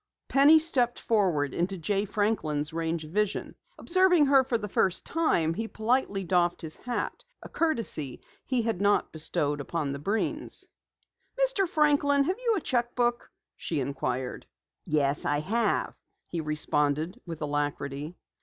Penny stepped forward into Jay Franklin's range of vision. Observing her for the first time, he politely doffed his hat, a courtesy he had not bestowed upon the Breens. "Mr. Franklin, have you a cheque book?" she inquired. "Yes, I have," he responded with alacrity.